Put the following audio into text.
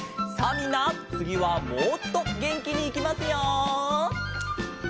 みんなつぎはもっとげんきにいきますよ。